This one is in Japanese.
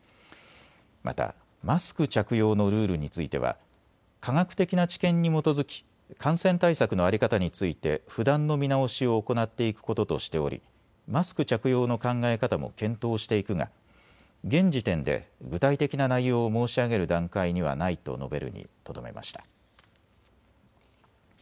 またマスク着用のルールについては科学的な知見に基づき感染対策の在り方について不断の見直しを行っていくこととしておりマスク着用の考え方も検討していくが現時点で具体的な内容を申し上げる段階にはないと述べるにとどめました。